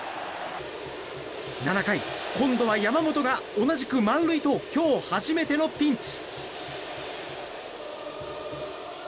７回、今度は山本が同じく満塁と今日初めてのピンチ。